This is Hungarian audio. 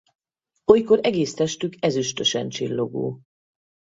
Olykor egész testük ezüstösen csillogó.